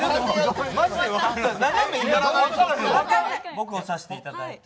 僕を指していただいた。